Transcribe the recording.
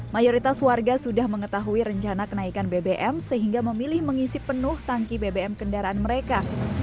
mayoritas warga sudah mengetahui rencana kenaikan bbm sehingga memilih mengisi penuh tangki bbm kendaraan mereka